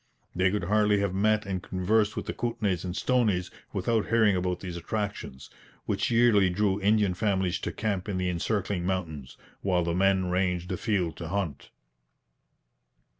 They could hardly have met and conversed with the Kootenays and Stonies without hearing about these attractions, which yearly drew Indian families to camp in the encircling mountains, while the men ranged afield to hunt.